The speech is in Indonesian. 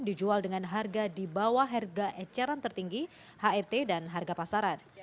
dijual dengan harga di bawah harga eceran tertinggi het dan harga pasaran